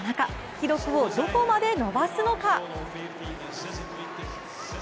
記録をどこまで伸ばすのか？